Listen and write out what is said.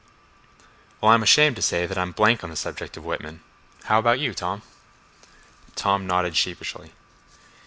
"Well, I'm ashamed to say that I'm a blank on the subject of Whitman. How about you, Tom?" Tom nodded sheepishly.